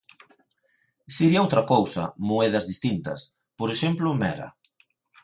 Sería outra cousa, moedas distintas, por exemplo Mera.